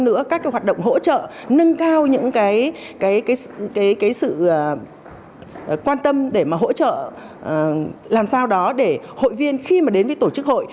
nữa các cái hoạt động hỗ trợ nâng cao những cái sự quan tâm để mà hỗ trợ làm sao đó để hội viên khi mà đến với tổ chức hội